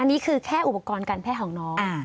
อันนี้คือแค่อุปกรณ์การแพทย์ของน้อง